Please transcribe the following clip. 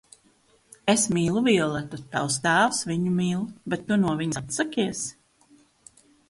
Es mīlu Violetu, tavs tēvs viņu mīl, bet tu no viņas atsakies?